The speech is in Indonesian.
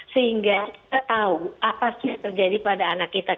sehingga kita tahu apa sih yang terjadi pada anak kita